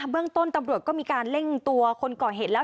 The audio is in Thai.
เรื่องต้นตำรวจก็มีการเร่งตัวคนก่อเหตุแล้ว